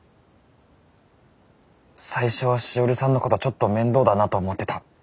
最初はしおりさんのことちょっと面倒だなと思ってた。